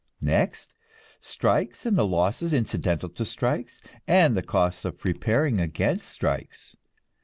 Next, strikes and the losses incidental to strikes, and the costs of preparing against strikes.